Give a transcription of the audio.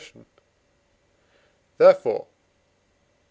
therefore (IV.